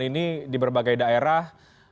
ini di berbagai daerah